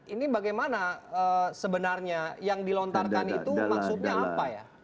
ini bagaimana sebenarnya yang dilontarkan itu maksudnya apa ya